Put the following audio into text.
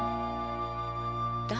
誰？